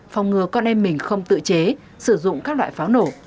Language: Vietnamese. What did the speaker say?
phòng ngừa con em mình không tự chế sử dụng các loại pháo nổ